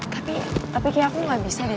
tapi tapi kayak aku gak bisa deh